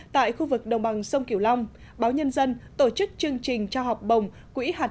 tại khu vực đồng bằng sông kiểu long báo nhân dân tổ chức chương trình trao học bổng quỹ hạt